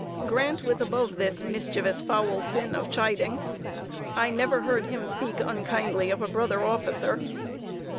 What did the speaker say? Grant was above this "mischievous foul sin of chiding." I never heard him speak unkindly of a brother officer.